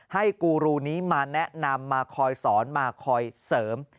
กูรูนี้มาแนะนำมาคอยสอนมาคอยเสริม